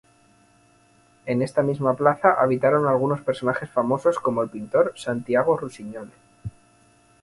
En esta misma plaza habitaron algunos personajes famosos como el pintor Santiago Rusiñol.